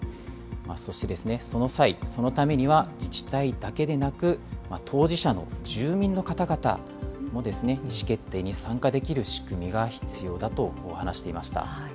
そしてその際、そのためには自治体だけでなく、当事者の住民の方々も意思決定に参加できる仕組みが必要だと話していました。